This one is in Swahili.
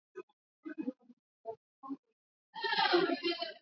Linet ni dadake Zuhra.